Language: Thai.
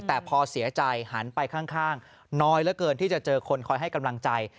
แต่พอเสียใจหันไปข้างน้อยเหลือเกินที่จะเจอคนคอยให้กำลังใจ